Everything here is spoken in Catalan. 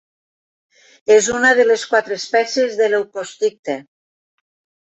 És una de les quatre espècies de Leucosticte.